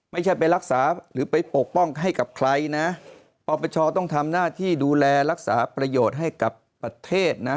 ไม่ใช่ไปรักษาหรือไปปกป้องให้กับใครนะปปชต้องทำหน้าที่ดูแลรักษาประโยชน์ให้กับประเทศนะ